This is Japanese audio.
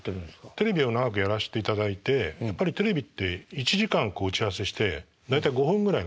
テレビを長くやらせていただいてやっぱりテレビって１時間打ち合わせして大体５分ぐらいなんですね